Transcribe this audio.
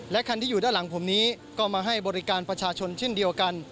คันที่อยู่ด้านหลังผมนี้ก็มาให้บริการประชาชนเช่นเดียวกัน